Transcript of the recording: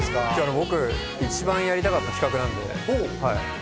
僕、一番やりたかった企画なので。